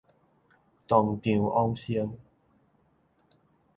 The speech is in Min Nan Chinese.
當場往生